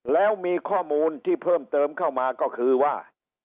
แล้วมีข้อมูลที่เพิ่มเติมเข้ามาก็คือว่า